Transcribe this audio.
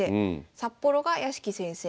札幌が屋敷先生